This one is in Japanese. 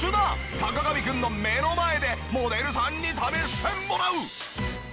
坂上くんの目の前でモデルさんに試してもらう！